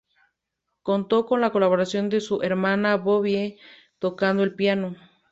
Contó con la colaboración de su hermana Bobbie tocando el piano.